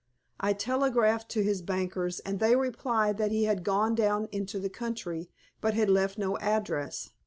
I telegraphed to his bankers, and they replied that he had gone down into the country, but had left no address.